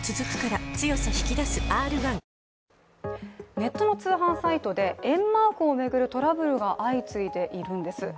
ネットの通販サイトで￥を巡るトラブルが相次いでいるんです。